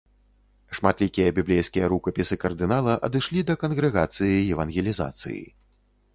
Шматлікія біблейскія рукапісы кардынала адышлі да кангрэгацыі евангелізацыі.